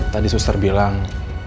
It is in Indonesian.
tadi suster bilang